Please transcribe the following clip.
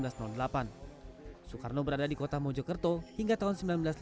soekarno berada di kota mojokerto hingga tahun seribu sembilan ratus delapan puluh